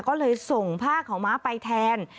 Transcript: ก็เลยส่งผ้าขาวม้าไปแทน